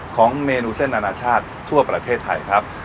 ของเมนูเส้นอนาชาติทั่วประเทศไทยครับ